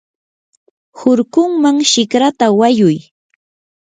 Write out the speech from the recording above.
hurkunman shikrata wayuy.